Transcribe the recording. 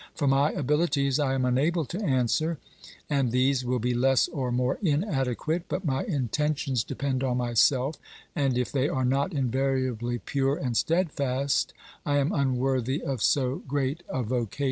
For my abilities I am unable to answer, and these will be less or more inadequate, but my intentions depend on myself, and if they are not invariably pure and steadfast I am unworthy of so great a vocation.